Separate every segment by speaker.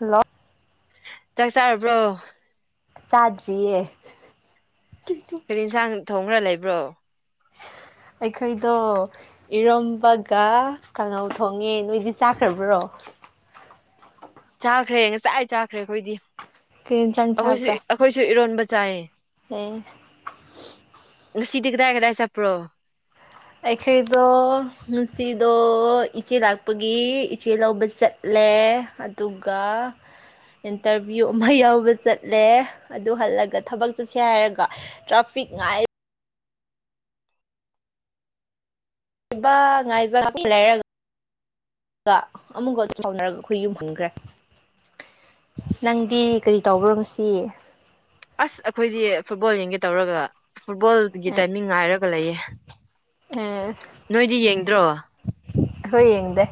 Speaker 1: hello
Speaker 2: ꯆꯥꯛ ꯆꯥꯔꯕ꯭ꯔꯣ
Speaker 1: ꯆꯥꯗ꯭ꯔꯤꯌꯦ
Speaker 2: ꯀꯔꯤ ꯌꯦꯟꯁꯥꯡ ꯊꯣꯡꯔ ꯂꯩꯕ꯭ꯔꯣ
Speaker 1: ꯑꯩꯈꯣꯏꯗꯣ ꯏꯔꯣꯝꯕꯒ ꯀꯥꯡꯉꯧ ꯊꯣꯡꯉꯦ ꯅꯣꯏꯗꯤ ꯆꯥꯈ꯭ꯔꯕ꯭ꯔꯣ
Speaker 2: ꯆꯥꯈ꯭ꯔꯦ ꯉꯁꯥꯏ ꯆꯥꯈ꯭ꯔꯦ ꯑꯩꯈꯣꯏꯗꯤ
Speaker 1: ꯀꯩ ꯌꯦꯟꯁꯥꯡ
Speaker 2: ꯑꯩꯈꯣꯏꯁꯨ
Speaker 1: ꯆꯥꯕ꯭ꯔꯥ
Speaker 2: ꯑꯩꯈꯣꯏꯁꯨ ꯏꯔꯣꯟꯕ ꯆꯥꯏ
Speaker 1: ꯑꯦ
Speaker 2: ꯉꯁꯤꯗꯤ ꯀꯗꯥꯏ ꯀꯗꯥꯏ ꯆꯠꯄ꯭ꯔꯣ
Speaker 1: ꯑꯩꯈꯣꯏꯗꯣ ꯉꯁꯤꯗꯣ ꯏꯆꯦ ꯂꯥꯛꯄꯒꯤ ꯏꯆꯦ ꯂꯧꯕ ꯆꯠꯂꯦ ꯑꯗꯨꯒ ꯏꯟꯇꯔꯚꯤꯌꯨ ꯑꯃ ꯌꯥꯎꯕ ꯆꯠꯂꯦ ꯑꯗꯨ ꯍꯜꯂꯒ ꯊꯕꯛ ꯆꯠꯁꯦ ꯍꯥꯏꯔꯒ ꯇ꯭ꯔꯥꯐꯤꯛ ꯉꯥꯏ ꯕ ꯉꯥꯏꯕ ꯉꯥꯏꯍꯥꯛ ꯂꯩꯔꯒ ꯑꯃꯨꯛꯀ ꯑꯗꯨꯝ ꯇꯥꯎꯅꯔꯒ ꯑꯩꯈꯣꯏ ꯌꯨꯝꯍꯟꯈ꯭ꯔꯦ ꯅꯪꯗꯤ ꯀꯔꯤ ꯇꯧꯕ꯭ꯔꯣ ꯉꯁꯤ
Speaker 2: ꯑꯁ ꯑꯩꯈꯣꯏꯗꯤ ꯐꯨꯠꯕꯣꯜ ꯌꯦꯡꯒꯦ ꯇꯧꯔꯒ ꯐꯨꯠꯕꯣꯜꯒꯤ
Speaker 1: ꯑꯦ
Speaker 2: ꯇꯥꯏꯃꯤꯡ ꯉꯥꯏꯔꯒ ꯂꯩꯌꯦ
Speaker 1: ꯑꯩꯈꯣꯏ
Speaker 2: ꯅꯣꯏꯗꯤ ꯌꯦꯡꯗ꯭ꯔꯣ
Speaker 1: ꯑꯈꯣꯢ ꯌꯦꯡꯗꯦ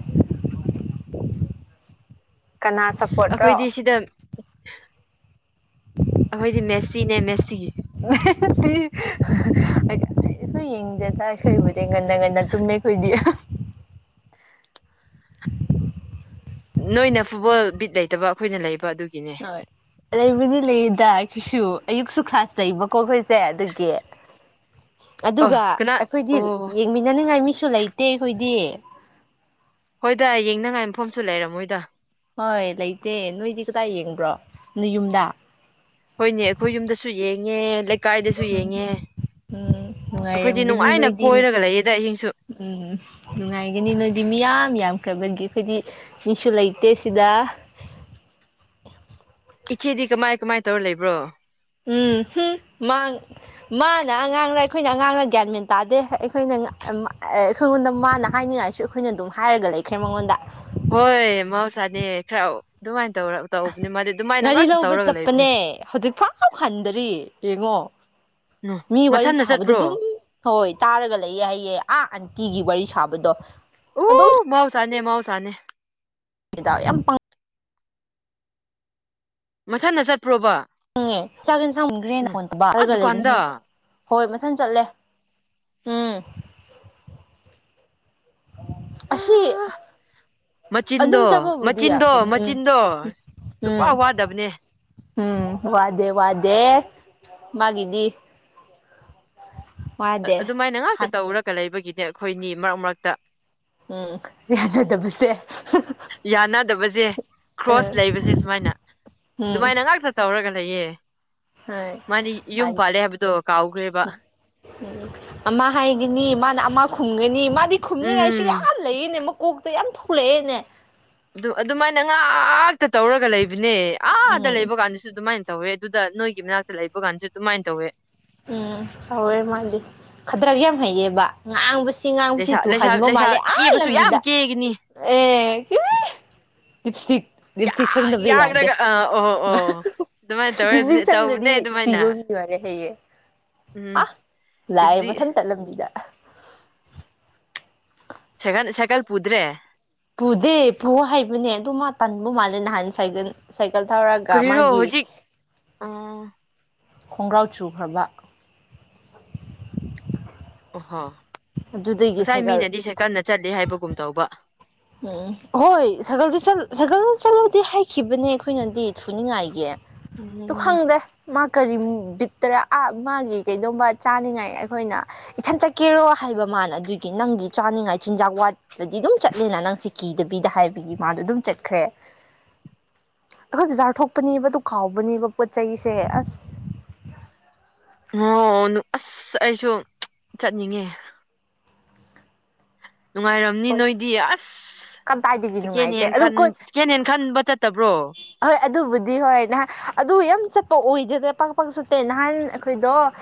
Speaker 1: ꯀꯅ ꯁꯄꯣꯔꯠꯔꯣ
Speaker 2: ꯑꯩꯈꯣꯏꯗꯤ ꯁꯤꯗ ꯑꯩꯈꯣꯏꯗꯤ ꯃꯦꯁꯤꯅꯦ ꯃꯦꯁꯤ
Speaker 1: ꯑꯩ ꯑꯩꯈꯣꯏ ꯌꯦꯡꯗꯦꯗ ꯑꯩꯈꯣꯏꯕꯨꯗꯤ ꯉꯟꯅ ꯉꯟꯅ ꯇꯨꯝꯃꯦ ꯈꯣꯏꯗꯤ
Speaker 2: ꯅꯣꯏꯅ ꯐꯨꯠꯕꯣꯜ ꯕꯤꯠ ꯂꯩꯇꯕ ꯑꯩꯈꯣꯏꯅ ꯂꯩꯕ ꯑꯗꯨꯒꯤ
Speaker 1: ꯍꯣꯏ ꯂꯩꯕꯨꯗꯤ ꯂꯩꯌꯦꯗ ꯁꯤꯁꯨ ꯑꯌꯨꯛꯁꯨ ꯀ꯭ꯂꯥꯁ ꯂꯩꯕꯀꯣ ꯑꯩꯈꯣꯏꯁꯦ ꯑꯗꯨꯒꯤ
Speaker 2: ꯑꯣ
Speaker 1: ꯑꯗꯨꯒ
Speaker 2: ꯀꯅꯥ
Speaker 1: ꯑꯩꯈꯣꯏꯗꯤ
Speaker 2: ꯑꯣ
Speaker 1: ꯌꯦꯡꯃꯤꯟꯅꯅꯤꯡꯉꯥꯏ ꯃꯤꯁꯨ ꯨ ꯂꯩꯇꯦ ꯑꯩꯈꯣꯏꯗꯤ
Speaker 2: ꯍꯣꯏꯗ ꯌꯦꯡꯅꯤꯡꯉꯥꯏ ꯃꯐꯝꯁꯨ ꯂꯩꯔꯝꯃꯣꯏꯗ
Speaker 1: ꯍꯣꯏ ꯂꯩꯇꯦ ꯅꯣꯏꯗꯤ ꯀꯗꯥꯏ ꯌꯦꯡꯕ꯭ꯔꯣ ꯅꯣꯏ ꯌꯨꯝꯗ
Speaker 2: ꯍꯣꯏꯅꯦ ꯑꯩꯈꯣꯏ ꯌꯨꯝꯗꯁꯨ ꯌꯦꯡꯉꯦ ꯂꯩꯀꯥꯏꯗꯁꯨ
Speaker 1: ꯎꯝ
Speaker 2: ꯌꯦꯡꯉꯦ
Speaker 1: ꯎꯝ
Speaker 2: ꯑꯩꯈꯣꯏꯗꯤ
Speaker 1: ꯅꯨꯡꯉꯥꯏꯔꯝꯒꯅꯤ
Speaker 2: ꯅꯨꯡꯉꯥꯏꯅ
Speaker 1: ꯅꯣꯏꯗꯤ
Speaker 2: ꯀꯣꯏꯔꯒ ꯂꯩꯌꯦꯗ ꯑꯍꯤꯡꯁꯨ
Speaker 1: ꯎꯝ ꯅꯨꯡꯉꯥꯏꯒꯅꯤ ꯅꯣꯏꯗꯤ ꯃꯤꯌꯥꯝ ꯌꯥꯝ ꯌꯥꯝꯕꯒꯤ ꯑꯩꯈꯣꯏꯗꯤ ꯃꯤꯁꯨ ꯂꯩꯇꯦ ꯁꯤꯗ
Speaker 2: ꯏꯆꯦꯗꯤ ꯀꯃꯥꯏ ꯀꯃꯥꯏ ꯇꯧꯔ ꯂꯩꯕ꯭ꯔꯣ
Speaker 1: ꯎꯝ ꯃꯥ ꯃꯥꯅ ꯑꯉꯥꯡꯅ ꯑꯩꯈꯣꯏꯅ ꯑꯉꯥꯡꯅ ꯒ꯭ꯌꯥꯟ ꯃꯦꯟ ꯇꯥꯗꯦ ꯑꯩꯈꯣꯏꯅ ꯑꯩꯈꯉꯣꯟꯗ ꯃꯥꯅ ꯍꯥꯏꯅꯤꯡꯉꯥꯏꯁꯨ ꯑꯩꯈꯣꯏꯅ ꯑꯗꯨꯝ ꯍꯥꯏꯔꯒ ꯂꯩꯈ꯭ꯔꯦ ꯃꯉꯣꯟꯗ
Speaker 2: ꯍꯣꯏ ꯃꯍꯧꯁꯥꯅꯦ ꯈꯔ ꯑꯗꯨꯃꯥꯏ
Speaker 1: ꯉꯥꯔꯤ ꯂꯧꯕ
Speaker 2: ꯂꯩꯕꯅꯦ
Speaker 1: ꯆꯠꯄꯅꯦ ꯍꯧꯖꯤꯛ ꯐꯥꯎ ꯍꯟꯗꯔꯤ ꯌꯦꯡꯉꯣ
Speaker 2: ꯎꯝ
Speaker 1: ꯃꯤ ꯋꯥꯔꯤ
Speaker 2: ꯃꯊꯟꯗ
Speaker 1: ꯁꯥꯕꯗ
Speaker 2: ꯆꯠꯄ꯭ꯔꯣ
Speaker 1: ꯑꯗꯨꯝ ꯍꯣꯏ ꯇꯥꯔꯒ ꯂꯩꯌꯦ ꯍꯥꯏꯌꯦ ꯑꯥ ꯃꯤꯒꯤ ꯋꯥꯔꯤ ꯁꯥꯕꯗꯣ ꯑꯗꯨꯝ
Speaker 2: ꯑꯣ ꯃꯍꯧꯁꯥ ꯅꯦ ꯃꯍꯧꯁꯥꯅꯦ
Speaker 1: ꯗꯥ ꯌꯥꯝ
Speaker 2: ꯃꯊꯟꯗ ꯆꯠꯄ꯭ꯔꯣꯕ
Speaker 1: ꯎꯪ ꯆꯥꯛ ꯌꯦꯟꯁꯥꯡ ꯃꯨꯟꯈ꯭ꯔꯦꯅ
Speaker 2: ꯎꯝ ꯑꯥ
Speaker 1: ꯐꯣꯟꯄꯥꯏꯔꯒ ꯂꯩꯕꯅꯤ
Speaker 2: ꯗꯨꯀꯥꯟꯗ
Speaker 1: ꯍꯣꯏ ꯃꯊꯟ ꯆꯠꯂꯦ ꯍꯝ ꯑꯁꯤ ꯑꯗꯨꯝ
Speaker 2: ꯃꯆꯤꯟꯗꯣ
Speaker 1: ꯆꯠꯄꯕꯨꯗꯤ
Speaker 2: ꯃꯆꯤꯟꯗꯣ
Speaker 1: ꯌꯥꯕꯅꯤ ꯎꯝ
Speaker 2: ꯃꯆꯤꯟꯗꯣ
Speaker 1: ꯎꯝ
Speaker 2: ꯁꯨꯛꯋꯥ ꯋꯥꯗꯕꯅꯦ
Speaker 1: ꯎꯝ ꯋꯥꯗꯦ ꯋꯥꯗꯦ ꯃꯥꯒꯤꯗꯤ ꯋꯥꯗꯦ
Speaker 2: ꯑꯗꯨꯃꯥꯏꯅ ꯉꯥꯛꯇ ꯇꯧꯔꯒ ꯂꯩꯕꯒꯤꯗꯤ ꯑꯩꯈꯣꯏꯅꯤ ꯃꯔꯛ ꯃꯔꯛꯇ
Speaker 1: ꯎꯝ ꯌꯥꯅꯗꯕꯁꯦ
Speaker 2: ꯌꯥꯅꯗꯕ ꯁꯦ ꯀ꯭ꯔꯣꯁ
Speaker 1: ꯎꯝ
Speaker 2: ꯂꯩꯕꯁꯦ ꯁꯨꯃꯥꯏꯅ ꯑꯗꯨꯃꯥꯏꯅ ꯉꯥꯛꯇ ꯇꯧꯔꯒ ꯂꯩꯇꯦ
Speaker 1: ꯍꯣꯏ ꯃꯥꯗꯤ
Speaker 2: ꯍꯥꯏꯕꯗꯣ ꯀꯥꯎꯈ꯭ꯔꯦꯕ
Speaker 1: ꯎꯝ ꯑꯃ ꯍꯥꯏꯒꯅꯤ ꯃꯥꯅ ꯑꯃ ꯈꯨꯡꯒꯅꯤ ꯃꯥ ꯗꯤ ꯈꯨꯝꯅꯤꯡꯉꯥꯏꯁꯤ
Speaker 2: ꯎꯝ
Speaker 1: ꯌꯥꯝ ꯂꯩꯔꯤꯅꯦ ꯃꯀꯣꯛ ꯌꯥꯝ ꯊꯣꯛꯂꯛꯑꯦꯅꯦ
Speaker 2: ꯑꯗꯨ ꯑꯗꯨꯃꯥꯏꯅ ꯉꯥꯛꯇ ꯇꯧꯔꯒ ꯂꯩꯕ ꯅꯦ ꯑꯥꯗ
Speaker 1: ꯎꯝ
Speaker 2: ꯂꯩꯕ ꯀꯥꯟꯅꯤꯁꯨ ꯑꯗꯨꯃꯥꯏꯅ ꯇꯧꯋꯦ ꯑꯗꯨꯗ ꯅꯣꯏꯒꯤ ꯃꯅꯥꯛꯇ ꯂꯩꯕ ꯀꯥꯟꯁꯨ ꯑꯗꯨꯃꯥꯏꯅ ꯇꯧꯋꯦ
Speaker 1: ꯎꯝ ꯇꯧꯋꯦ ꯃꯥꯗꯤ ꯈꯗꯔ ꯌꯥꯝ ꯍꯩꯌꯦꯕ ꯉꯥꯡꯕꯁꯤ ꯆꯤꯡ ꯉꯥꯡꯁꯤ
Speaker 2: ꯂꯩꯁꯥ
Speaker 1: ꯇꯨ
Speaker 2: ꯂꯩꯁꯥ
Speaker 1: ꯍꯃ
Speaker 2: ꯂꯩꯁꯥ
Speaker 1: ꯃꯥꯂꯦ ꯑ
Speaker 2: ꯀꯦꯕꯁꯨ ꯌꯥꯝ
Speaker 1: ꯂꯝꯕꯤꯗ
Speaker 2: ꯀꯦꯒꯅꯤ
Speaker 1: ꯑꯦ ꯂꯤꯞ ꯏꯁꯇꯤꯛ ꯂꯤꯞ ꯏꯁꯇꯤꯛ
Speaker 2: ꯌꯥꯛ
Speaker 1: ꯁꯪꯗꯕ ꯌꯥꯗꯦ
Speaker 2: ꯌꯥꯛꯂꯒ ꯑꯥ ꯑꯣ ꯑꯣ ꯑꯗꯨꯃꯥꯏꯅ ꯇꯧꯔ
Speaker 1: ꯂꯤꯞ ꯏꯁꯇꯤꯛ
Speaker 2: ꯇꯧꯕꯅꯦ
Speaker 1: ꯁꯪꯗ꯭ꯔꯗꯤ
Speaker 2: ꯑꯗꯨꯃꯥꯏꯅ
Speaker 1: ꯁꯤꯕ ꯃꯤ ꯑꯣꯏꯔꯦ ꯍꯌꯦꯌꯦꯡ
Speaker 2: ꯎꯝ
Speaker 1: ꯑ ꯂꯥꯏꯑ
Speaker 2: ꯍꯧꯖꯤꯛꯇꯤ
Speaker 1: ꯃꯊꯟ ꯇꯠꯂꯝꯕꯤꯗ
Speaker 2: ꯁꯀꯥꯟ ꯁꯀꯜ ꯄꯨꯗ꯭ꯔꯦ
Speaker 1: ꯄꯨꯨꯗꯦ ꯄꯨꯨꯍꯣ ꯍꯥꯏꯕꯅꯦ ꯑꯗꯨꯃꯥ ꯇꯥꯟꯕꯕꯨ ꯃꯥꯜꯅ ꯍꯥꯟ ꯁꯥꯏꯒꯟ ꯁꯥꯏꯀꯜ ꯊꯧꯔꯒꯒ ꯃꯥꯒꯤ
Speaker 2: ꯑꯥ
Speaker 1: ꯈꯣꯡꯒ꯭ꯔꯥꯎ ꯆꯨꯈ꯭ꯔꯕ
Speaker 2: ꯑꯣ ꯍ
Speaker 1: ꯑꯗꯨꯗꯒꯤ
Speaker 2: ꯉꯁꯥꯏ
Speaker 1: ꯁꯥꯏꯀꯜ
Speaker 2: ꯃꯤꯅꯗꯤ ꯁꯦ ꯀꯟꯅ ꯆꯠꯂꯤꯦ ꯍꯥꯏꯕꯒꯨꯝ ꯇꯧꯕ
Speaker 1: ꯎꯝ ꯍꯣꯏ ꯁ ꯆ ꯁ ꯆꯠꯂꯨꯗꯤ ꯍꯥꯏꯈꯤꯕꯅꯦ ꯑꯩꯈꯣꯏꯅꯗꯤ ꯊꯨꯅꯤꯡꯉꯥꯏꯒꯤ ꯑꯗꯨ
Speaker 2: ꯎꯝ
Speaker 1: ꯈꯪꯗꯦ ꯃꯥ ꯀꯔꯤ ꯕꯤꯛꯇꯔ ꯑꯥ ꯃꯥꯒꯤ ꯀꯩꯗꯕ ꯆꯥꯅꯤꯡꯉꯥꯏ ꯑꯩꯈꯣꯏꯅ ꯏꯊꯟ ꯆꯠꯀꯦꯔꯣ ꯍꯥꯏꯕ ꯃꯥꯅ ꯑꯗꯨꯒꯤ ꯅꯪꯒꯤ ꯆꯥꯅꯤꯡꯉꯥꯏ ꯆꯤꯟꯖꯥꯛ ꯋꯥꯠꯇꯗꯤ ꯑꯗꯨꯝ ꯆꯠ ꯆꯠꯂꯦꯅ ꯅꯪꯁꯦ ꯀꯤꯗꯕꯤꯗ ꯍꯥꯏꯕꯒꯤ ꯃꯥꯗꯣ ꯑꯗꯨꯝ ꯆꯠꯈ꯭ꯔꯦ ꯑꯩꯈꯣꯏꯁꯨ ꯆꯥꯔꯊꯣꯛꯄꯅꯦꯕ ꯑꯗꯨ ꯀꯥꯎꯕꯅꯦꯕ ꯄꯣꯠ ꯆꯩꯁꯦ ꯑꯁ
Speaker 2: ꯑꯣ ꯑꯁ ꯑꯩꯁꯨ ꯆꯠꯅꯤꯡꯉꯦ ꯅꯨꯡꯉꯥꯏꯔꯝꯅꯤ
Speaker 1: ꯍꯣꯏ
Speaker 2: ꯅꯣꯏꯗꯤ ꯑꯁ
Speaker 1: ꯀꯗꯥꯏꯗꯒꯤ
Speaker 2: ꯁꯦꯀꯦꯟ
Speaker 1: ꯅꯨꯡꯉꯥꯏꯇꯦ
Speaker 2: ꯍꯦꯟꯟ
Speaker 1: ꯑꯗꯨ ꯀꯣꯏ
Speaker 2: ꯁꯦꯀꯦꯟ ꯍꯦꯟ ꯈꯟꯕ ꯆꯠꯇꯕ꯭ꯔꯣ
Speaker 1: ꯍꯣꯏ ꯑꯗꯨꯕꯨꯗꯤ ꯍꯣꯏ ꯅꯍꯥꯟ ꯑꯗꯨ ꯌꯥꯝ ꯆꯠꯄ ꯑꯣꯏꯗꯗꯦ ꯄꯥꯛ ꯄꯥꯛ ꯆꯠꯇꯦ ꯅꯍꯥꯟ ꯑꯩꯈꯣꯏꯗꯣ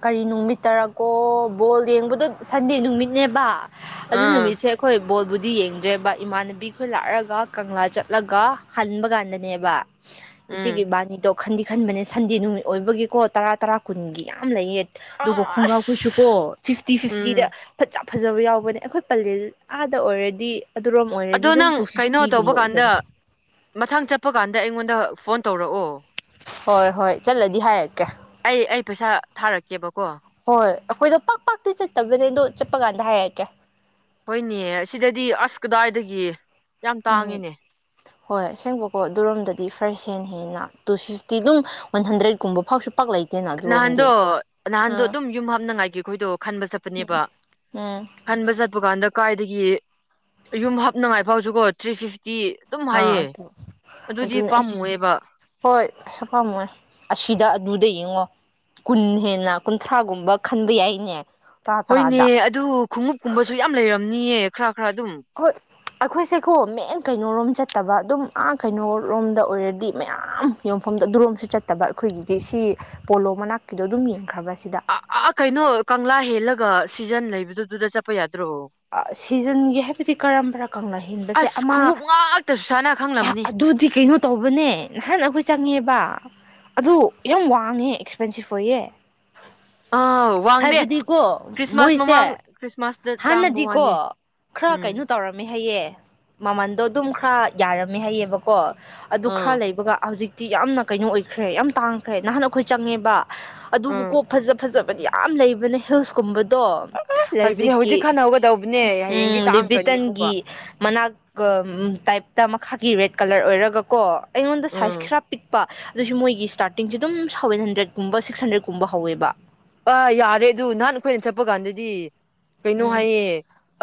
Speaker 1: ꯀꯔꯤ ꯅꯨꯃꯤꯠꯇꯔꯀꯣ ꯕꯣꯜ ꯌꯦꯡꯕꯗꯣ ꯁꯟꯗꯦ ꯅꯨꯃꯤꯠ ꯦꯕꯥꯛ ꯑꯗꯨ
Speaker 2: ꯑꯥ
Speaker 1: ꯅꯨꯃꯤꯠꯁꯦ ꯑꯩꯈꯣꯏ ꯕꯣꯜꯕꯨꯗꯤ ꯌꯦꯡꯗ꯭ꯔꯦꯕ ꯏꯃꯥꯟꯅꯕꯤꯈꯣꯏ ꯂꯥꯛꯔꯒ ꯀꯪꯂꯥ ꯆꯠꯂꯒ ꯍꯟꯕ ꯀꯥꯟꯗꯅꯦꯕ
Speaker 2: ꯎꯝ
Speaker 1: ꯏꯆꯒꯤꯕꯥꯅꯤ ꯇ ꯈꯟꯗꯤ ꯈꯟꯕꯅꯦ ꯁꯟꯗꯦ ꯅꯨꯃꯤꯠ ꯑꯣꯏꯕꯒꯤꯀꯣ ꯇꯔꯥ ꯇꯔꯥ ꯀꯨꯟꯒꯤ ꯌꯥꯝ ꯂꯩꯌꯦ ꯑꯗꯨꯒ
Speaker 2: ꯑꯁ
Speaker 1: ꯈꯣꯡꯒ꯭ꯔꯥꯎꯈꯣꯏꯁꯨ ꯀꯣ ꯐꯤꯐꯇꯤ ꯐꯤꯐꯇꯤꯗ
Speaker 2: ꯎꯝ
Speaker 1: ꯐꯖꯕ ꯌꯥꯎꯕꯅꯦ ꯑꯩꯈꯣꯏ ꯄꯂꯦꯜ ꯑꯥꯗ ꯑꯣꯏꯔꯗꯤ ꯑꯗꯨꯔꯣꯝ ꯑꯣꯏꯔꯗꯤ
Speaker 2: ꯑꯗꯣ
Speaker 1: ꯑꯗꯨꯝ
Speaker 2: ꯅꯪ
Speaker 1: ꯇꯨ
Speaker 2: ꯀꯩꯅꯣ ꯇꯧꯕ
Speaker 1: ꯐꯤꯐꯇꯤꯒꯨꯝꯕ ꯑꯣꯏꯒꯅꯤ
Speaker 2: ꯀꯥꯟꯗ ꯃꯊꯪ ꯆꯠꯄ ꯀꯥꯟꯗ ꯑꯩꯉꯣꯟꯗ ꯐꯣꯟ ꯇꯧꯔꯛꯑꯣ
Speaker 1: ꯍꯣꯏ ꯍꯣꯏ ꯆꯠꯂꯗꯤ ꯍꯥꯏꯔꯛꯀꯦ
Speaker 2: ꯑꯩ ꯑꯩ ꯄꯩꯁꯥ ꯊꯥꯔꯛꯀꯦꯕꯀꯣ
Speaker 1: ꯍꯣꯏ ꯑꯩꯈꯣꯏꯗꯣ ꯄꯥꯛ ꯄꯥꯛꯇꯤ ꯆꯠꯇꯕꯅꯤ ꯑꯗꯣ ꯆꯠꯄ ꯀꯥꯟꯗ ꯍꯥꯏꯔꯛꯀꯦ
Speaker 2: ꯍꯣꯏꯅꯦ ꯁꯤꯗꯗꯤ ꯑꯁ ꯀꯗꯥꯏꯗꯒꯤ ꯌꯥꯝ
Speaker 1: ꯎꯝ
Speaker 2: ꯇꯥꯡꯉꯤꯅꯦ
Speaker 1: ꯍꯣꯏ ꯁꯦꯡꯕꯀꯣ ꯑꯗꯨꯔꯣꯝꯗꯗꯤ ꯐꯔꯦꯁ ꯍꯦꯟꯅ ꯍꯦꯟꯅ ꯇꯨ ꯐꯤꯐꯇꯤ ꯑꯗꯨꯝ ꯋꯥꯟ ꯍꯟꯗ꯭ꯔꯦꯗꯀꯨꯝꯕ ꯐꯥꯎꯁꯨ ꯄꯥꯛ ꯂꯩꯇꯦꯅ
Speaker 2: ꯅꯍꯥꯟꯗꯣ
Speaker 1: ꯑꯗꯨꯔꯣꯝꯗꯤ
Speaker 2: ꯅꯍꯥꯟꯗꯣ
Speaker 1: ꯎꯝ
Speaker 2: ꯑꯗꯨꯝ ꯌꯨꯝ ꯍꯥꯞꯅꯉꯥꯏꯒꯤ ꯑꯩꯈꯣꯏꯗꯣ ꯈꯟꯕ ꯆꯠꯄꯅꯦꯕ
Speaker 1: ꯎꯝ
Speaker 2: ꯈꯟꯕ ꯆꯠꯄ ꯀꯥꯟꯗ ꯀꯥꯏꯗꯒꯤ ꯒꯤ ꯌꯨꯝ ꯍꯥꯞꯅꯉꯥꯏ ꯐꯥꯎꯁꯨ ꯀꯣ ꯊ꯭ꯔꯤ ꯐꯤꯐꯇꯤ ꯑꯗꯨꯝ
Speaker 1: ꯑꯥ
Speaker 2: ꯍꯥꯏꯌꯦ
Speaker 1: ꯑꯗꯨ
Speaker 2: ꯑꯗꯨꯗꯤ
Speaker 1: ꯑꯗꯨꯅ ꯑꯁ
Speaker 2: ꯄꯥꯝꯃꯨꯑꯦꯕ
Speaker 1: ꯍꯣꯏ ꯑꯁ ꯄꯩꯁꯥ ꯄꯥꯝꯃꯨꯔꯦ ꯑꯁꯤꯗ ꯑꯗꯨꯗ ꯌꯦꯡꯉꯣ ꯀꯨꯟ ꯍꯦꯟꯅ ꯀꯨꯟꯊ꯭ꯔꯥꯒꯨꯝꯕ ꯈꯟꯕ ꯌꯥꯏꯅꯦ ꯇꯔꯥ
Speaker 2: ꯍꯣꯏꯅꯦ
Speaker 1: ꯇꯔꯥꯗ
Speaker 2: ꯑꯗꯨ ꯈꯣꯡꯎꯞꯀꯨꯝꯕꯁꯨ ꯌꯥꯝ ꯂꯩꯔꯝꯅꯤꯌꯦ ꯈꯔꯥ ꯑꯗꯨꯝ
Speaker 1: ꯍꯣꯏ ꯑꯩꯈꯣꯏꯁꯦꯀꯣ ꯃꯦꯟ ꯀꯩꯅꯣꯔꯣꯝ ꯆꯠꯇꯕ ꯑꯗꯨꯝ ꯑꯥ ꯀꯩꯅꯣꯔꯣꯝꯗ ꯑꯣꯏꯔꯗꯤ ꯃꯌꯥꯝ ꯌꯣꯟꯐꯝꯗ ꯑꯗꯨꯔꯣꯝꯁꯨ ꯆꯠꯇꯕ ꯑꯩꯈꯣꯏꯒꯤꯗꯤ ꯁꯤ ꯄꯣꯂꯣ ꯃꯅꯥꯛꯀꯤꯗꯣ ꯑꯗꯨꯝ ꯌꯦꯡꯈ꯭ꯔꯕ ꯁꯤꯗ
Speaker 2: ꯑ ꯑ ꯀꯩꯅꯣ ꯀꯪꯂꯥ ꯍꯦꯜꯂꯒ ꯁꯤꯖꯟ ꯂꯩꯕꯗꯨꯗꯨꯗ ꯆꯠꯄ ꯌꯥꯗꯦ
Speaker 1: ꯁꯤꯖꯟꯒꯤ ꯍꯥꯏꯕꯗꯤ ꯀꯔꯝꯕꯔ ꯀꯪꯂꯥ ꯍꯦꯟꯕꯁꯦ
Speaker 2: ꯑꯁ
Speaker 1: ꯑꯃ
Speaker 2: ꯈꯣꯡꯎꯞ ꯉꯥꯛꯇ ꯁꯨꯁꯥꯟꯅ ꯈꯪꯂꯝꯅꯤ
Speaker 1: ꯑꯗꯨꯗꯤ ꯀꯩꯅꯣ ꯇꯧꯕꯅꯦ ꯅꯍꯥꯟ ꯑꯩꯈꯣꯏ ꯆꯪꯉꯦꯕ ꯑꯗꯨ ꯌꯥꯝ ꯋꯥꯡꯉꯦ ꯑꯦꯛꯁꯄꯦꯟꯁꯤꯞ ꯑꯣꯏꯌꯦ
Speaker 2: ꯑꯥ ꯋꯥꯡꯗꯦ
Speaker 1: ꯍꯥꯏꯕꯗꯤꯀꯣ
Speaker 2: ꯈ꯭ꯔꯤꯁꯃꯥꯁ
Speaker 1: ꯃꯣꯏꯁꯦ
Speaker 2: ꯃꯃꯥꯡ ꯈ꯭ꯔꯤꯁꯃꯥꯁ
Speaker 1: ꯍꯥꯟꯅꯗꯤꯀꯣ ꯈꯔ ꯀꯩꯅꯣ ꯇꯧꯔꯝꯃꯦ ꯍꯥꯏꯌꯦ ꯃꯃꯟꯗꯣ ꯑꯗꯨꯝ ꯈꯔ ꯌꯥꯔꯝꯃꯦ ꯍꯥꯏꯌꯦꯕꯀꯣ ꯑꯗꯨ
Speaker 2: ꯑꯥ
Speaker 1: ꯈꯔ ꯂꯩꯕꯒ ꯍꯧꯖꯤꯛ ꯇꯤ ꯌꯥꯝꯅ ꯀꯩꯅꯣ ꯑꯣꯏꯈ꯭ꯔꯦ ꯌꯥꯝ ꯇꯥꯡꯈ꯭ꯔꯦ ꯅꯍꯥꯟ ꯑꯩꯈꯣꯏ ꯆꯪꯉꯦꯕ
Speaker 2: ꯎꯝ
Speaker 1: ꯑꯗꯨꯕꯨꯀꯣ ꯐꯖ ꯐꯖꯕ ꯕꯗꯤ ꯌꯥꯝ ꯂꯩꯕꯅꯦ ꯍꯤꯜꯁꯀꯨꯝꯕ ꯇꯣ
Speaker 2: ꯑꯥ ꯂꯩꯕꯅꯦ
Speaker 1: ꯍꯧꯖꯤꯛ
Speaker 2: ꯈꯟ ꯍꯧꯒꯗꯧꯕꯅꯦ ꯍꯌꯦꯡꯗꯤ
Speaker 1: ꯎꯝ
Speaker 2: ꯇꯥꯡꯈ꯭ꯔꯅꯤ ꯑꯃꯨꯛꯀ
Speaker 1: ꯂꯤꯕꯤꯇꯟꯒꯤ ꯃꯅꯥꯛ ꯇꯥꯏꯞ ꯃꯈꯥꯒꯤ ꯔꯦꯠ ꯀꯂꯔ ꯑꯣꯏꯔꯒ ꯀꯣ ꯑꯩꯉꯣꯟꯗ ꯁꯥꯏꯖ
Speaker 2: ꯎꯝ
Speaker 1: ꯈꯔ ꯄꯤꯛꯄ ꯑꯗꯨꯁꯨ ꯃꯣꯏꯒꯤ ꯁ꯭ꯇꯥꯔꯇꯤꯡꯁꯨ ꯑꯗꯨꯝ ꯁꯕꯦꯟ ꯍꯟꯗ꯭ꯔꯦꯗꯀꯨꯝꯕ ꯁꯤꯛꯁ ꯍꯟꯗ꯭ꯔꯦꯠꯀꯨꯝꯕ ꯍꯧꯋꯦꯕ
Speaker 2: ꯑ ꯌꯥꯔꯦ ꯑꯗꯨ ꯅꯍꯥꯟ ꯑꯩꯈꯣꯏꯅ ꯆꯠꯄ ꯀꯥꯟꯗꯗꯤ ꯀꯩꯅꯣ
Speaker 1: ꯎꯝ
Speaker 2: ꯍꯥꯏꯌꯦ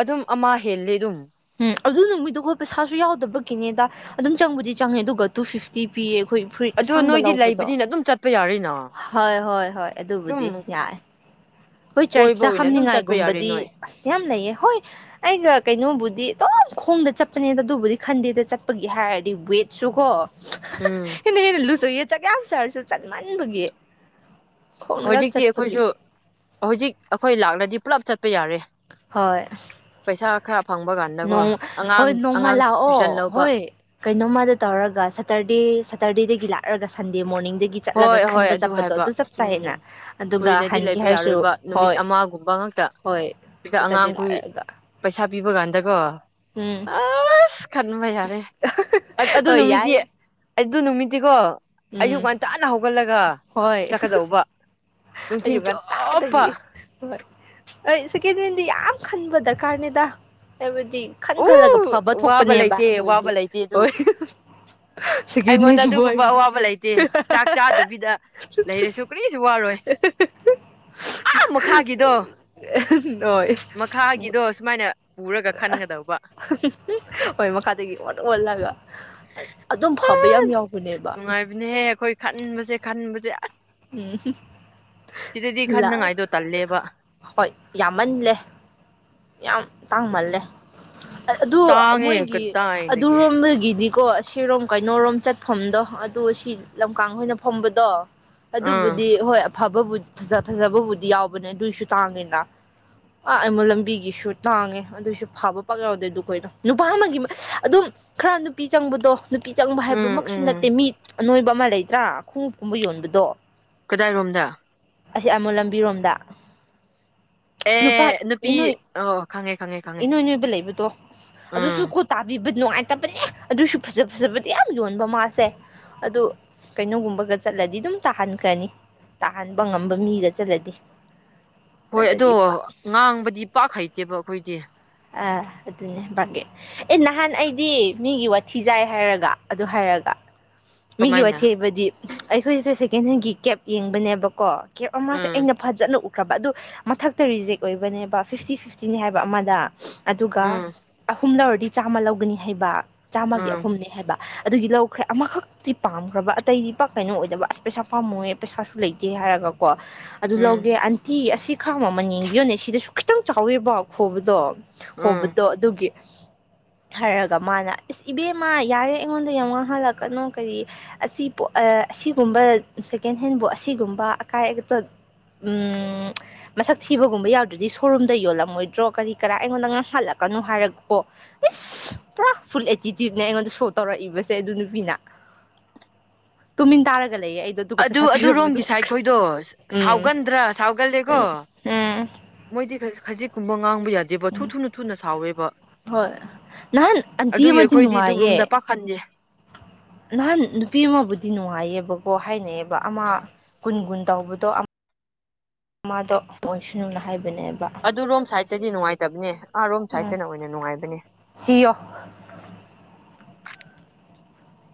Speaker 2: ꯑꯗꯨꯝ ꯑꯃ ꯍꯦꯜꯂꯦ ꯑꯗꯨꯝ
Speaker 1: ꯎꯝ ꯑꯗꯨ ꯅꯨꯃꯤꯠꯇꯀꯣ ꯄꯩꯁꯥꯁꯨ ꯌꯥꯎꯗꯕꯒꯤꯅꯦꯗ ꯑꯗꯨꯝ ꯆꯪꯕꯨꯗꯤ ꯆꯪꯉꯦ ꯑꯗꯨꯒ ꯇꯨ ꯐꯤꯐꯇꯤ ꯄꯤꯌꯦ ꯑꯩꯈꯣꯏ ꯐꯨꯔꯤꯠ
Speaker 2: ꯑꯗꯣ
Speaker 1: ꯑꯁꯥꯡꯕ
Speaker 2: ꯅꯣꯏꯗꯤ
Speaker 1: ꯂꯧꯕꯗꯣ
Speaker 2: ꯂꯩꯕꯅꯤꯅ ꯑꯗꯨꯝ ꯆꯠꯄ ꯌꯥꯔꯤꯅ
Speaker 1: ꯍꯣꯏ ꯍꯣꯏ ꯍꯣꯏ ꯑꯗꯨꯕꯨꯗꯤ ꯌꯥꯏꯌꯦ ꯍꯣꯏ
Speaker 2: ꯀꯣꯏꯕ
Speaker 1: ꯆꯔꯆꯇ
Speaker 2: ꯑꯣꯏꯅ ꯑꯗꯨꯝ ꯆꯠꯄ ꯌꯥꯔꯦ
Speaker 1: ꯍꯥꯞꯅꯤꯡꯉꯥꯏꯒꯨꯝꯕꯗꯤ
Speaker 2: ꯅꯣꯏ
Speaker 1: ꯑꯁ ꯌꯥꯝ ꯂꯩꯌꯦ ꯍꯣꯏ ꯑꯩꯒ ꯀꯩꯅꯣꯕꯨꯗꯤ ꯑꯗꯨꯝ ꯈꯣꯡꯗ ꯆꯠꯄꯅꯦ ꯑꯗꯨꯕꯨꯗꯤ ꯈꯟꯗꯦꯗ ꯆꯠꯄꯒꯤ ꯍꯥꯏꯔꯗꯤ ꯋꯦꯠꯁꯨ ꯀꯣ
Speaker 2: ꯎꯝ
Speaker 1: ꯍꯦꯟꯅ ꯍꯦꯟꯅ ꯂꯣꯁ ꯑꯣꯏꯌꯦ ꯆꯥꯛ ꯌꯥꯝ ꯆꯔꯁꯨ ꯆꯠꯃꯟ ꯃꯟꯕꯒꯤ
Speaker 2: ꯍꯧꯖꯤꯛꯇꯤ ꯑꯩꯈꯣꯏꯁꯨ ꯍꯧꯖꯤꯛ ꯑꯩꯈꯣꯏ ꯂꯥꯛꯂꯗꯤ ꯄꯨꯂꯞ ꯆꯠꯄ ꯄ ꯌꯥꯔꯦ
Speaker 1: ꯍꯣꯏ
Speaker 2: ꯄꯩꯁꯥ ꯈꯔ ꯐꯪꯕꯒꯥꯟꯗ
Speaker 1: ꯍꯣꯏ ꯅꯣꯡꯃ ꯂꯥꯛꯑꯣ
Speaker 2: ꯂꯧꯕ
Speaker 1: ꯍꯣꯏ ꯀꯩꯅꯣꯝꯃꯗ ꯇꯧꯔꯒ ꯁꯠꯇꯔꯗꯦ ꯁꯠꯇꯔꯗꯦ ꯗꯒꯤ ꯂꯥꯛꯑꯔꯒ ꯁꯟꯗꯦ ꯃꯣꯔꯅꯤꯡ
Speaker 2: ꯍꯣꯏ ꯍꯣꯏ ꯑꯗꯨ ꯍꯥꯏꯕ ꯎꯝ
Speaker 1: ꯑꯗꯨꯒ
Speaker 2: ꯀꯨꯏꯅꯗꯤ
Speaker 1: ꯍꯟꯒꯦ
Speaker 2: ꯂꯩꯕ
Speaker 1: ꯍꯥꯏꯔꯁꯨ
Speaker 2: ꯌꯥꯔꯣꯏꯕ ꯅꯨꯃꯤꯠ
Speaker 1: ꯍꯣꯏ
Speaker 2: ꯑꯃꯒꯨꯝꯕ ꯉꯥꯛꯇ
Speaker 1: ꯍꯣꯏ
Speaker 2: ꯁꯤꯗ
Speaker 1: ꯁꯇꯔꯗꯦ
Speaker 2: ꯑꯉꯥꯡꯈꯣꯏ
Speaker 1: ꯂꯥꯛꯔꯒ
Speaker 2: ꯄꯩꯁꯥ ꯄꯤꯕ ꯀꯥꯟꯗꯀꯣ
Speaker 1: ꯎꯝ
Speaker 2: ꯑꯁ ꯈꯟꯕ ꯌꯥꯔꯦ ꯑꯗꯨ
Speaker 1: ꯍꯣꯏ
Speaker 2: ꯅꯨꯃꯤꯠꯇꯤ
Speaker 1: ꯌꯥꯏ
Speaker 2: ꯑꯩ
Speaker 1: ꯌꯥꯏ
Speaker 2: ꯑꯗꯨ ꯅꯨꯃꯤꯠꯇꯤꯀꯣ ꯑꯌꯨꯛ
Speaker 1: ꯎꯝ
Speaker 2: ꯉꯟꯇꯥꯅ ꯍꯧꯒꯠꯂꯒ
Speaker 1: ꯍꯣꯏ
Speaker 2: ꯆꯠꯀꯗꯧꯕ ꯅꯨꯡꯊꯤꯟ
Speaker 1: ꯑꯌꯨꯛ
Speaker 2: ꯆꯨꯞꯄ
Speaker 1: ꯉꯟꯇꯥꯗꯒꯤ ꯍꯣꯏ ꯑꯩ ꯁꯦꯀꯦꯟꯍꯦꯟꯗꯤ ꯌꯥꯝ ꯈꯟꯕ ꯗꯔꯀꯥꯔꯅꯤꯗ ꯈꯟ
Speaker 2: ꯎ
Speaker 1: ꯈꯜꯂꯒ ꯐꯕ
Speaker 2: ꯋꯥꯕ
Speaker 1: ꯊꯣꯛꯄꯅꯦꯕ
Speaker 2: ꯂꯩꯇꯦ ꯋꯥꯕ
Speaker 1: ꯃꯣꯏꯗꯤ
Speaker 2: ꯂꯩꯇꯦ ꯑꯗꯨ
Speaker 1: ꯍꯣꯏ ꯁꯦꯀꯦꯟꯍꯦꯟ
Speaker 2: ꯑꯩꯉꯣꯟꯗ ꯑꯗꯨꯒꯨꯝꯕ
Speaker 1: ꯕꯣꯏꯗꯤ
Speaker 2: ꯑꯋꯥꯕ ꯂꯩꯇꯦ ꯆꯥꯛ ꯆꯥꯗꯕꯤꯗ ꯂꯩꯔꯁꯨ ꯀꯔꯤꯁꯨ ꯋꯥꯔꯣꯏ ꯑ ꯃꯈꯥꯒꯤꯗꯣ
Speaker 1: ꯍꯣꯏ
Speaker 2: ꯃꯈꯥꯒꯤꯗꯣ ꯁꯨꯃꯥꯏꯅ ꯄꯨꯔꯒ ꯈꯟꯒꯗꯧꯕ
Speaker 1: ꯍꯣꯏ ꯃꯈꯥꯗꯒꯤ ꯑꯣꯟ ꯑꯣꯟꯂꯒ
Speaker 2: ꯅꯨꯡꯉꯥꯏꯕꯅꯦꯍꯦ ꯑꯩꯈꯣꯏ ꯈꯟꯕꯁꯦ ꯈꯟꯕꯁꯦ ꯑꯁ
Speaker 1: ꯎꯝ
Speaker 2: ꯁꯤꯗꯗꯤ
Speaker 1: ꯂꯥꯛ
Speaker 2: ꯈꯟꯅꯉꯥꯏꯗꯣ ꯇꯜꯂꯦꯕ
Speaker 1: ꯍꯣꯏ ꯌꯥꯝꯃꯜꯂꯦ ꯌꯥꯝ ꯇꯥꯡꯃꯜꯂꯦ ꯑꯗꯨ
Speaker 2: ꯇꯥꯡꯉꯦ
Speaker 1: ꯃꯣꯏꯒꯤ
Speaker 2: ꯀꯗꯥꯏꯗꯒꯤ
Speaker 1: ꯑꯗꯨꯔꯣꯝꯗꯒꯤꯗꯤ ꯀꯣ ꯑꯁꯤꯔꯣꯝ ꯀꯩꯅꯣꯔꯣꯝ ꯆꯠꯐꯝꯗꯣ ꯑꯗꯨ ꯑꯁꯤ ꯂꯝꯀꯥꯡ ꯈꯣꯏꯅ ꯐꯝꯕꯗꯣ
Speaker 2: ꯑꯥ
Speaker 1: ꯑꯗꯨꯕꯨꯗꯤ ꯍꯣꯏ ꯐꯕꯕꯨ ꯐꯖꯕꯕꯨꯗꯤ ꯌꯥꯎꯕꯅꯦ ꯑꯗꯨꯏꯁꯨ ꯇꯥꯡꯉꯤꯅ ꯑꯥ ꯑꯥꯏꯃꯣꯜ ꯂꯝꯕꯤꯒꯤ ꯒꯤꯁꯨ ꯇꯥꯡꯉꯦ ꯑꯗꯨꯏꯁꯨ ꯐꯕ ꯄꯥꯛ ꯌꯥꯎꯗꯣꯏ ꯑꯗꯨ ꯀꯅꯣ ꯅꯨꯄꯥ ꯑꯃꯒꯤ ꯑꯗꯨꯝ ꯈꯔ ꯅꯨꯄꯤ ꯆꯪꯕꯗꯣ ꯅꯨꯄꯤ ꯆꯪꯕ
Speaker 2: ꯎꯝ
Speaker 1: ꯍꯥꯏꯕꯃꯛꯁꯨ ꯅꯠꯇꯦ
Speaker 2: ꯎꯝ
Speaker 1: ꯃꯤ ꯑ ꯅꯣꯏꯕ ꯑꯃ ꯂꯩꯇ꯭ꯔꯥ ꯈꯣꯡꯎꯞꯀꯨꯝꯕ ꯌꯣꯟꯕꯗꯣ
Speaker 2: ꯀꯗꯥꯏꯔꯣꯝꯗ
Speaker 1: ꯑꯁꯤ ꯑꯥꯏꯃꯣꯜ ꯂꯝꯕꯤꯔꯣꯝꯗ ꯅꯨꯄꯥ
Speaker 2: ꯑꯦ ꯅꯨꯄꯤ
Speaker 1: ꯏꯅꯣꯏ
Speaker 2: ꯑꯣ ꯈꯪꯉꯦ ꯈꯪꯉꯦ ꯈꯪꯉꯦ
Speaker 1: ꯏꯅꯣꯏ ꯅꯣꯏꯕ ꯂꯩꯕꯗꯣ ꯑꯗꯨꯁꯨ
Speaker 2: ꯎꯝ
Speaker 1: ꯀꯣ ꯇꯥꯕꯤꯕ ꯅꯨꯡꯉꯥꯏꯇꯕꯅꯦ ꯑꯗꯨꯁꯨ ꯐꯖ ꯐꯖꯕꯗꯤ ꯌꯥꯝ ꯌꯣꯟꯕ ꯃꯥꯁꯦ ꯑꯗꯨ ꯀꯩꯅꯣꯒꯨꯝꯕꯒ ꯆꯠꯂꯗꯤ ꯑꯗꯨꯝ ꯇꯥꯍꯟꯈ꯭ꯔꯅꯤ ꯇꯥꯍꯟꯕ ꯉꯝꯕ ꯃꯤꯒ ꯆꯠꯂꯗꯤ
Speaker 2: ꯍꯣꯏ ꯑꯗꯣ
Speaker 1: ꯅꯠꯇ꯭ꯔꯗꯤ ꯄꯥꯛ
Speaker 2: ꯉꯥꯡꯕꯗꯤ ꯄꯥꯛ ꯍꯩꯇꯦꯕ ꯑꯩꯈꯣꯏꯗꯤ
Speaker 1: ꯑ ꯑꯗꯨꯅꯦ ꯚꯒꯦ ꯑꯦ ꯅꯍꯥꯟ ꯑꯩꯗꯤ ꯃꯤꯒꯤ ꯋꯥꯊꯤꯆꯥꯏ ꯍꯥꯏꯔꯒ ꯑꯗꯨ ꯍꯥꯏꯔꯒ ꯃꯤꯒꯤ
Speaker 2: ꯀꯃꯥꯏꯅ
Speaker 1: ꯋꯥꯊꯤ ꯍꯥꯏꯕꯗꯤ ꯑꯩꯈꯣꯏꯁꯦ ꯁꯦꯀꯦꯟꯍꯦꯟꯒꯤ ꯀꯦꯞ ꯌꯦꯡꯕꯅꯦꯕꯀꯣ ꯀꯦꯞ ꯑꯃꯁꯦ
Speaker 2: ꯎꯝ
Speaker 1: ꯑꯩꯅ ꯐꯖꯅ ꯎ ꯈ꯭ꯔꯕ ꯑꯗꯨ ꯃꯊꯛꯇ ꯔꯤꯖꯦꯛ ꯑꯣꯏꯕꯅꯦꯕ ꯐꯤꯐꯇꯤ ꯐꯤꯐꯇꯤꯅꯤ ꯍꯥꯏꯕ ꯑꯃꯗ ꯑꯗꯨꯒ
Speaker 2: ꯎꯝ
Speaker 1: ꯑꯍꯨꯝꯂꯧꯔ ꯆꯥꯝꯃ ꯂꯧꯒꯅꯤ ꯍꯥꯏꯕ ꯆꯥꯝꯃꯒꯤ
Speaker 2: ꯎꯝ
Speaker 1: ꯑꯍꯨꯝꯅꯤ ꯍꯥꯏꯕ ꯑꯗꯨꯒꯤ ꯂꯧꯈ꯭ꯔꯦ ꯑꯃꯈꯛꯇꯤ ꯄꯥꯝꯈ꯭ꯔꯕ ꯑꯇꯩꯗꯤ ꯄꯥꯛ ꯀꯩꯅꯣ ꯑꯣꯏꯗꯕ ꯑꯁ ꯄꯩꯁꯥ ꯄꯥꯝꯃꯣꯏꯌꯦ ꯄꯩꯁꯥꯁꯨ ꯂꯩꯇꯦ ꯍꯥꯏꯔꯒꯀꯣ ꯑꯗꯨ
Speaker 2: ꯎꯝ
Speaker 1: ꯂꯧꯒꯦ ꯑꯟꯇꯤ ꯑꯁꯤ ꯈꯥ ꯃꯃꯟ ꯌꯦꯡꯕꯤꯌꯣꯅꯦ ꯁꯤꯗꯁꯨ ꯈꯤꯇꯪ ꯆꯥꯎꯋꯦꯕ ꯍꯣꯕꯗꯣ
Speaker 2: ꯎꯝ
Speaker 1: ꯍꯣꯕꯗꯣ ꯑꯗꯨꯒꯤ ꯍꯥꯏꯔꯒ ꯃꯥꯅ ꯏꯁ ꯏꯕꯦꯝꯃ ꯌꯥꯔꯦ ꯑꯩꯉꯣꯟꯗ ꯌꯥꯝ ꯉꯥꯡꯍꯜꯂꯛꯀꯅꯣ ꯀꯔꯤ ꯑꯁꯤ ꯑꯁꯤꯒꯨꯝꯕ ꯁꯦꯀꯦꯟ ꯍꯦꯟꯕꯨ ꯑꯁꯤꯒꯨꯝꯕ ꯑꯀꯥꯏ ꯑꯇꯣꯏ ꯃꯁꯛ ꯊꯤꯕꯒꯨꯝꯕ ꯌꯥꯎꯗ꯭ꯔꯗꯤ ꯁꯣꯔꯨꯝꯗ ꯌꯣꯜꯂꯝꯃꯣꯏꯗ꯭ꯔꯣ ꯀꯔꯤ ꯀꯔꯥ ꯑꯩꯉꯣꯟꯗ ꯉꯥꯡꯍꯜꯂꯛꯀꯅꯨ ꯍꯥꯏꯔꯒꯀꯣ ꯏꯁ ꯄꯨꯔꯥ ꯐꯨꯜ ꯑꯦꯇꯤꯇ꯭ꯌꯨꯠꯅꯦꯕ ꯑꯩꯉꯣꯟꯗ ꯁꯣ ꯇꯧꯔꯛꯏꯕꯁꯦ ꯑꯗꯨ ꯅꯨꯄꯤꯅ ꯇꯨꯃꯤꯟ ꯇꯥꯔꯒ ꯂꯩꯌꯦ ꯑꯩꯗꯣ ꯑꯗꯨꯒ
Speaker 2: ꯑꯗꯨ
Speaker 1: ꯄꯩꯁꯥ ꯄꯤꯔꯝꯃ ꯑꯗꯨꯝ
Speaker 2: ꯑꯗꯨꯔꯣꯝꯒꯤ ꯁꯥꯏꯠ
Speaker 1: ꯆꯠꯈ꯭ꯔꯦ
Speaker 2: ꯈꯣꯏꯗꯣ
Speaker 1: ꯎꯝ
Speaker 2: ꯁꯥꯎꯒꯟꯗ꯭ꯔꯥ ꯁꯥꯎꯒꯜꯂꯦꯀꯣ
Speaker 1: ꯎꯝ ꯎꯝ
Speaker 2: ꯃꯣꯏꯗꯤ ꯈꯖꯤꯛ ꯀꯨꯝꯕ ꯉꯥꯡꯕ ꯌꯥꯏ ꯌꯥꯗꯤꯦꯕ ꯊꯨ ꯊꯨꯅ ꯊꯨꯅ ꯁꯥꯎꯋꯦꯕ
Speaker 1: ꯍꯣꯏ ꯅꯍꯥꯟ ꯑꯟꯇꯤ
Speaker 2: ꯑꯗꯨꯒꯤ
Speaker 1: ꯑꯃꯗꯤ
Speaker 2: ꯑꯩꯈꯣꯏꯗꯤ
Speaker 1: ꯅꯨꯡꯉꯥꯏꯌꯦ
Speaker 2: ꯑꯗꯨꯔꯣꯝꯗ [inaudible]
Speaker 1: ꯅꯍꯥꯟ ꯅꯨꯄꯤ ꯑꯃꯕꯨꯗꯤ ꯅꯨꯡꯉꯥꯏꯌꯦꯕꯀꯣ ꯍꯥꯏꯅꯩꯕ ꯑꯃ ꯀꯨꯟ ꯀꯨꯟ ꯇꯧꯕꯗꯣ ꯑꯃꯗꯣ ꯑꯣꯏꯁꯅꯨꯅ ꯍꯥꯏꯕ
Speaker 2: ꯑꯗꯨ ꯔꯣꯝ ꯁꯥꯏꯗꯠꯇꯗꯤ ꯅꯨꯡꯉꯥꯏꯇꯕꯅꯦ ꯑꯥꯔꯣꯝ
Speaker 1: ꯎꯝ
Speaker 2: ꯁꯥꯏꯗꯠꯇꯅ ꯑꯣꯏꯅ ꯅꯨꯡꯉꯥꯏꯕꯅꯦ
Speaker 1: ꯁꯤꯌꯣ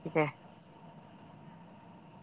Speaker 2: ꯁꯤꯗ